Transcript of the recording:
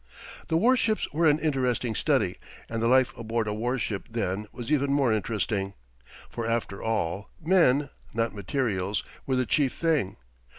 The war ships were an interesting study, and the life aboard a war ship then was even more interesting, for after all, men, not materials, were the chief thing.